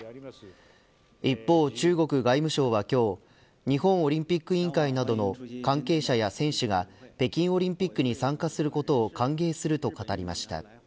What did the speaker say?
一方、中国外務省は今日日本オリンピック委員会などの関係者や選手が北京オリンピックに参加することを歓迎すると語りました。